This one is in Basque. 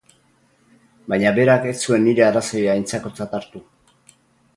Baina berak ez zuen nire arrazoia aintzakotzat hartu.